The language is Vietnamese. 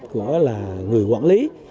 của người quản lý